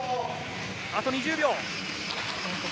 あと２０秒。